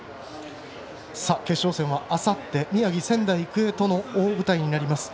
決勝戦はあさって宮城・仙台育英との大舞台になります。